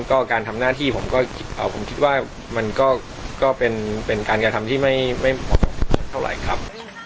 ก็การทำหน้าที่ผมก็ผมคิดว่ามันก็เป็นการกระทำที่ไม่เหมาะเท่าไหร่ครับ